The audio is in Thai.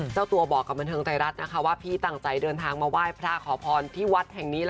เจ้าตัวบอกกับบันเทิงไทยรัฐนะคะว่าพี่ตั้งใจเดินทางมาไหว้พระขอพรที่วัดแห่งนี้